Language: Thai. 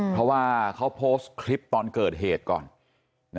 เพราะว่าเขาโพสต์คลิปตอนเกิดเหตุก่อน